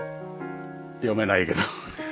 読めないけど。